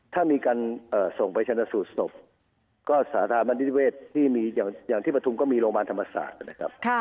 ถ้ามีการส่งไปชนะสูตรศพก็สถาบันนิติเวศที่มีอย่างที่ปฐุมก็มีโรงพยาบาลธรรมศาสตร์นะครับ